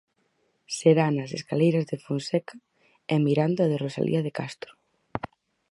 Será nas escaleiras de Fonseca e mirando á de Rosalía de Castro.